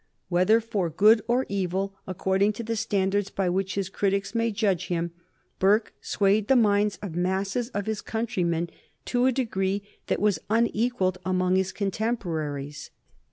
Whether for good or for evil, according to the standards by which his critics may judge him, Burke swayed the minds of masses of his countrymen to a degree that was unequalled among his contemporaries.